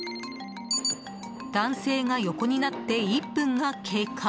男性が横になって１分が経過。